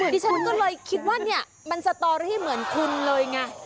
ดิฉันก็เลยคิดว่าเนี่ยมันสตอรี่เหมือนคุณเลยไง